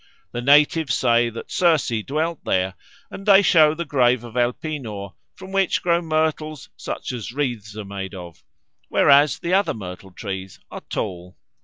The natives say that Circe dwelt there, and they show the grave of Elpenor, from which grow myrtles such as wreaths are made of, whereas the other myrtle trees are tall."